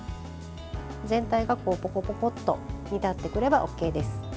全体がポコポコと煮立ってくればＯＫです。